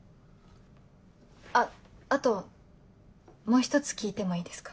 あっあともう一つ聞いてもいいですか？